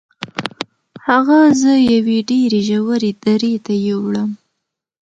هغه زه یوې ډیرې ژورې درې ته یووړم.